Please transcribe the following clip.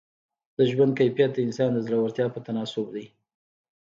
د ژوند کیفیت د انسان د زړورتیا په تناسب دی.